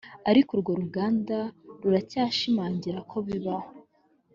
ariko urwo ruganda ruracyashimangira ko bibaho